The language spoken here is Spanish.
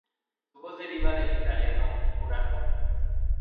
Su voz deriva del italiano "curato".